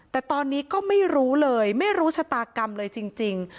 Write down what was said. แต่ตอนนี้ก็ไม่รู้เลยไม่รู้ชะตากรรมเลยจริง